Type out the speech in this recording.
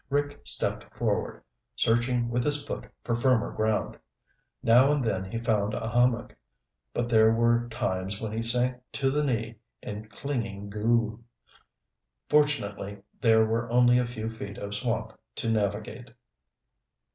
Rick stepped forward, searching with his foot for firmer ground. Now and then he found a hummock, but there were times when he sank to the knee in clinging goo. Fortunately, there were only a few feet of swamp to navigate.